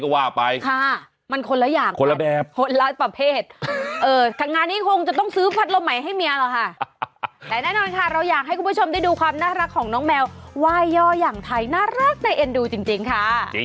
ไว้ยออยั่งท่ายน่ารักในเอ็นดูจริงค่ะ